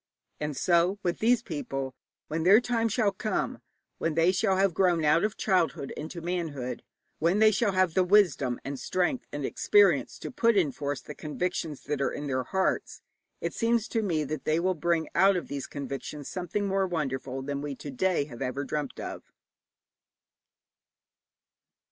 And so with these people, when their time shall come, when they shall have grown out of childhood into manhood, when they shall have the wisdom and strength and experience to put in force the convictions that are in their hearts, it seems to me that they will bring out of these convictions something more wonderful than we to day have dreamt of.